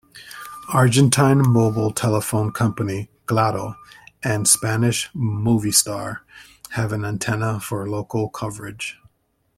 Argentine mobile telephone company Claro and Spanish Movistar have an antenna for local coverage.